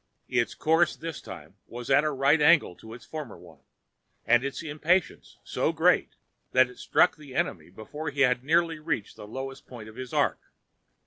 Its course this time was at a right angle to its former one, and its impatience so great that it struck the enemy before he had nearly reached the lowest point of his arc.